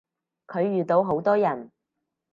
佢遇到好多人